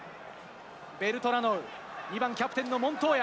ベルトラノウ、２番キャプテンのモントーヤ。